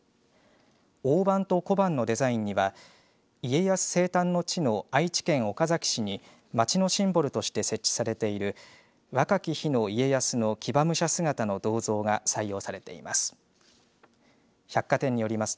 大判と小判のデザインには家康生誕の地の愛知県岡崎市に街のシンボルとして設置されている若き日の家康の騎馬武者姿の銅像が採用されています。